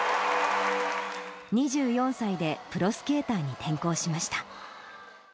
２４歳でプロスケーターに転向しました。